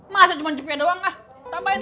masa cuma cipe doang ah